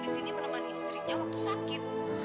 dia itu menangis karena keamanan istrinya waktu sakit